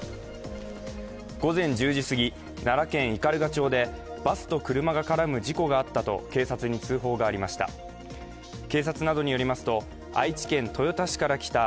午前１０時すぎ、奈良県斑鳩町でバスと車が絡む事故があったと警察に通報がありました。